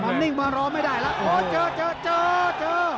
นิ่งมารอไม่ได้แล้วโอ้เจอเจอเจอ